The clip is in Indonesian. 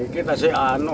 ini kita kasih anu